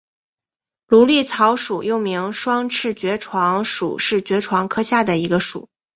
芦莉草属又名双翅爵床属是爵床科下的一个属。